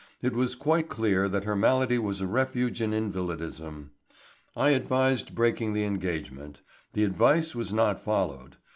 It was quite clear that her malady was a refuge in invalidism. I advised breaking the engagement. The advice was not followed.